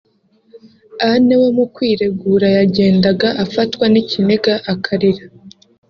Anne we mu kwiregura yagendaga afatwa n’ikiniga akarira